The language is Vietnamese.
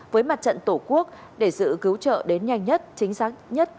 với mặt trận tổ quốc để dự cứu trợ đến nhanh nhất chính xác nhất